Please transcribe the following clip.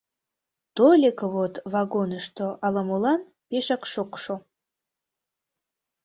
Тольык вот вагонышто ала-молан пешак шокшо.